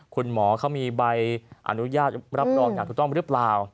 คุณหมอเขามีใบอนุญาตรับรองอย่างถูกต้องหรือเปล่า